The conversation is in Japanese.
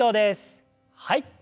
はい。